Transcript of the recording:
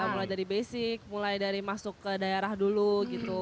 mulai dari basic mulai dari masuk ke daerah dulu gitu